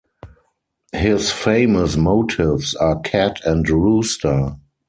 His famous motives are "Cat" and "Rooster".